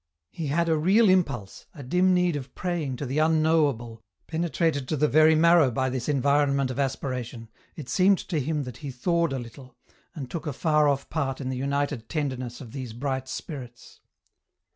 He had a real impulse, a dim need of praying to the Unknowable, penetrated to the very marrow by this environment of aspiration, it seemed to him that he thawed a little, and took a far off part in the united tenderness ot these bright spirits.